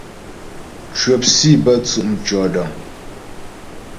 Cwəp sǐ bə́ tsʉ' mtʉ̂ɔdəŋ.